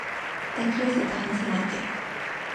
抱き寄せて離さないで